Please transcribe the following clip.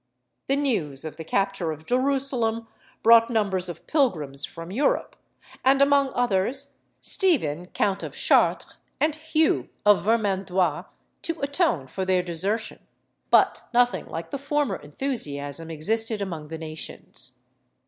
The news of the capture of Jerusalem brought numbers of pilgrims from Europe, and, among others, Stephen count of Chartres and Hugh of Vermandois, to atone for their desertion; but nothing like the former enthusiasm existed among the nations.